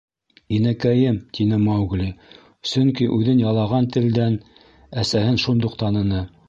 — Инәкәйем! — тине Маугли, сөнки үҙен ялаған телдән әсәһен шундуҡ таныны.